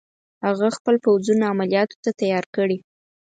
هغه خپل پوځونه عملیاتو ته تیار کړي.